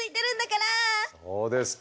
そうですか。